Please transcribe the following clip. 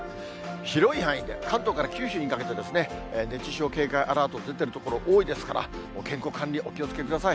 広い範囲で関東から九州にかけて、熱中症警戒アラートが出ている所、多いですから、健康管理にお気をつけください。